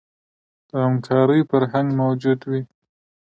د همکارۍ فرهنګ موجود وي.